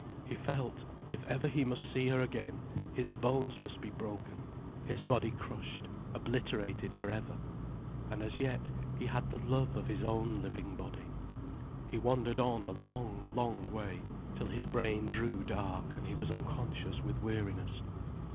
He felt, if ever he must see her again, his bones must be broken, his body crushed, obliterated for ever. And as yet, he had the love of his own living body. He wandered on a long, long way, till his brain drew dark and he was unconscious with weariness.